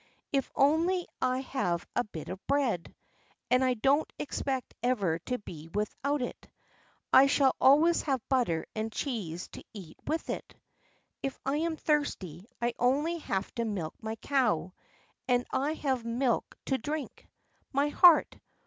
"If only I have a bit of bread, and I don't expect ever to be without it, I shall always have butter and cheese to eat with it. If I am thirsty, I only have to milk my cow and I have milk to drink. My heart!